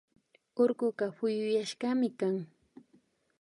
Urkuka puyuyashkami kan